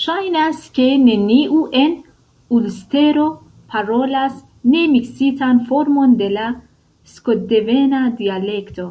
Ŝajnas, ke neniu en Ulstero parolas nemiksitan formon de la skotdevena dialekto.